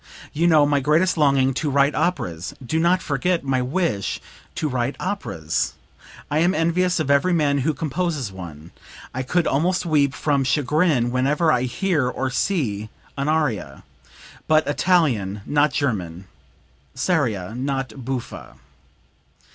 You know my greatest longing to write operas....Do not forget my wish to write operas! I am envious of every man who composes one; I could almost weep from chagrin whenever I hear or see an aria. But Italian, not German; seria not buffa."